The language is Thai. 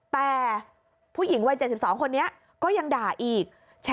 แต่ผู้หญิงวัย๗๒คนนี้ก็ยังด่าอีก